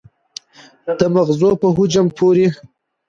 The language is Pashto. د مغزو په حجم پورې